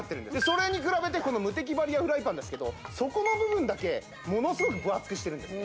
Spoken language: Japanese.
それに比べてこのムテキバリアフライパンですけど底の部分だけものすごく分厚くしてるんです